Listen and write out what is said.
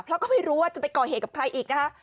เพราะก็ไม่รู้ว่าจะไปก่อเหตุกับใครอีกนะคะ